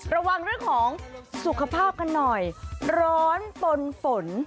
ระวังเรื่องของสุขภาพกันหน่อยร้อนปนฝน